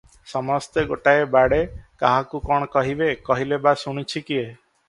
ସମସ୍ତେ ଗୋଟାଏ ବାଡ଼େ, କାହାକୁ କଣ କହିବେ, କହିଲେ ବା ଶୁଣୁଛି କିଏ?